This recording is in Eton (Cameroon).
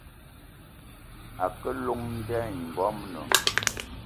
A ke llong nda i ngoamna.